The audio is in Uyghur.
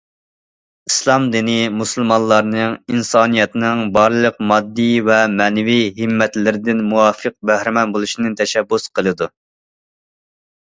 ئىسلام دىنى مۇسۇلمانلارنىڭ ئىنسانىيەتنىڭ بارلىق ماددىي ۋە مەنىۋى ھىممەتلىرىدىن مۇۋاپىق بەھرىمەن بولۇشنى تەشەببۇس قىلىدۇ.